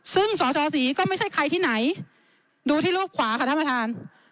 ซึ่งสชศรีก็ไม่ใช่ใครที่ไหนดูที่รูปขวาค่ะท่านประธาน